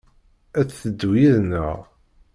Ad d-teddu yid-neɣ?